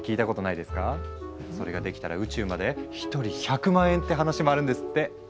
それができたら宇宙まで１人１００万円って話もあるんですって。